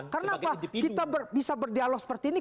kenapa kita bisa berdialog seperti ini